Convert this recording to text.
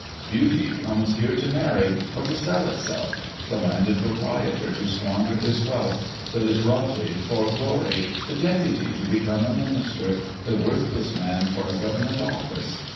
Beauty comes here to marry, or to sell herself, the landed proprietor to squander his wealth, the literati for glory, the deputy to become a minister, the worthless man for a government office.